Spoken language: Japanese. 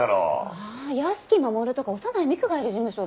ああ屋敷マモルとか小山内みくがいる事務所だ。